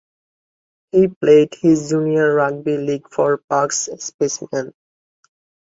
He played his junior rugby league for Parkes Spacemen.